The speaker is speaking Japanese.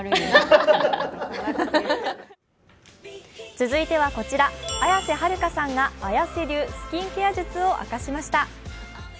続いてはこちら、綾瀬はるかさんが綾瀬流スキンケア術を明かしました。